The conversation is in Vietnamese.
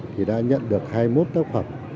thì đã nhận được hai mươi một tác phẩm